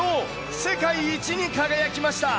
世界一に輝きました。